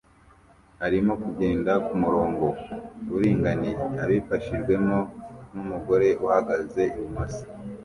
arimo kugenda kumurongo uringaniye abifashijwemo numugore uhagaze ibumoso